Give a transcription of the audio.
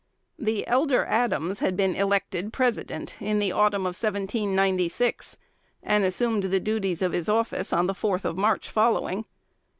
The elder Adams had been elected President in the autumn of 1796, and assumed the duties of his office on the fourth of March following.